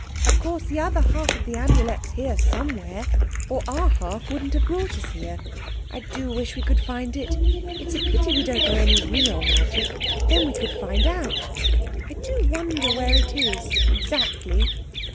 "Of course the other half of the Amulet's here somewhere or our half wouldn't have brought us here. I do wish we could find it. It is a pity we don't know any real magic. Then we could find out. I do wonder where it is—exactly."